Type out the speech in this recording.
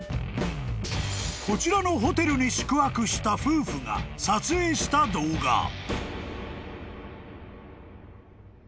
［こちらのホテルに宿泊した夫婦が撮影した動画］